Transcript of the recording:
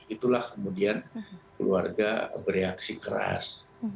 itulah kemudian keluarga bereaksi keras